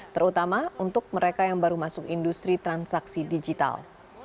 terutama untuk mereka yang baru masuk industri transaksi digital